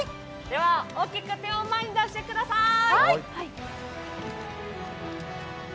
では大きく手を前に出してください。